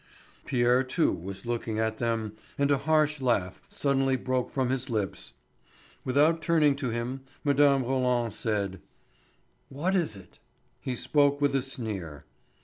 Pierre, too, was looking at them, and a harsh laugh suddenly broke form his lips. Without turning to him Mme. Roland said: "What is it?" He spoke with a sneer.